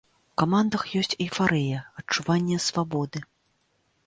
У камандах ёсць эйфарыя, адчуванне свабоды.